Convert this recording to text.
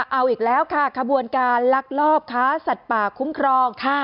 เอาอีกแล้วค่ะขบวนการลักลอบค้าสัตว์ป่าคุ้มครองค่ะ